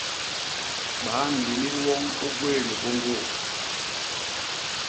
Baa nlimil woñ u gwéé libôñgô?